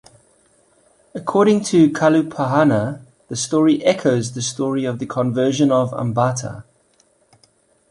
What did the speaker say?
According to Kalupahana, the story "echoes" the story of the conversion of Ambattha.